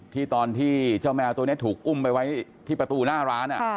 ตอนที่เจ้าแมวตัวนี้ถูกอุ้มไปไว้ที่ประตูหน้าร้าน